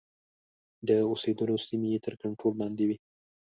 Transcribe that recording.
د اوسېدلو سیمې یې تر کنټرول لاندي وې.